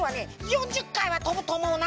４０かいはとぶとおもうな。